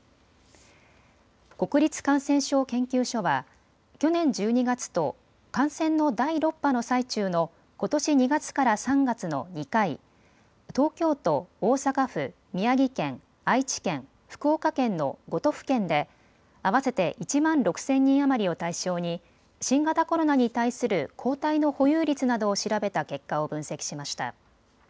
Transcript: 国立感染症研究所は去年１２月と感染の第６波の最中のことし２月から３月の２回、東京都、大阪府、宮城県、愛知県、福岡県の５都府県で合わせて１万６０００人余りを対象に新型コロナに対する抗体の保有率などを調べた結果を分析しました。